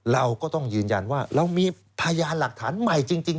เราก็ต้องยืนยันว่าเรามีพยานหลักฐานใหม่จริง